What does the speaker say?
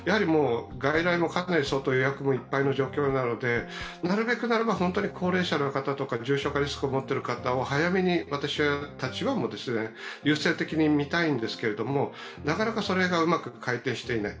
外来もかなり相当予約もいっぱいの状況なので、なるべくならば高齢者の方や重症化リスクを持っている方を早めに私たちも優先的に診たいんですけど、うまく回転していない。